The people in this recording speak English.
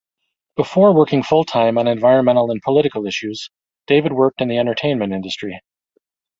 Before working full-time on environmental and political issues, David worked in the entertainment industry.